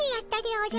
おじゃ。